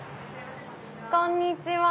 こんにちは。